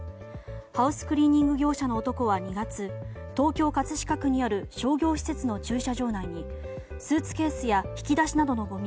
ハウスクリーニング業者の男は２月東京・葛飾区にある商業施設の駐車場内にスーツケースや引き出しなどのごみ